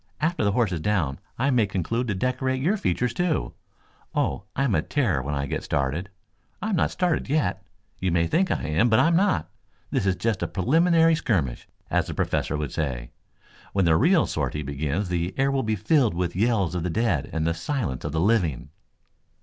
After the horse is down I may conclude to decorate your features, too. Oh, I'm a terror when I get started. I'm not started yet. You may think I am, but I'm not. This is just a preliminary skirmish, as the Professor would say. When the real sortie begins the air will be filled with the yells of the dead and the silence of the living."